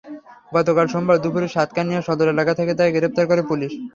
গতকাল সোমবার দুপুরে সাতকানিয়া সদর এলাকা থেকে তাকে গ্রেপ্তার করে পুলিশ।